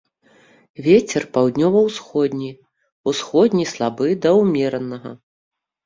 Вецер паўднёва-ўсходні, усходні слабы да ўмеранага.